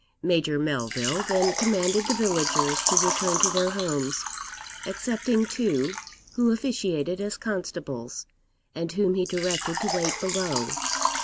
Major Melville then commanded the villagers to return to their homes, excepting two, who officiated as constables, and whom he directed to wait below.